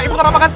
ibu kenapa kan